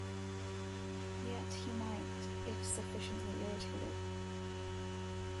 Yet he might, if sufficiently irritated.